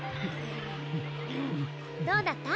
どうだった？